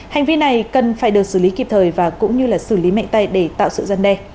hành vi này cần phải được xử lý kịp thời và cũng như là xử lý mạnh tay để tạo sự gian đe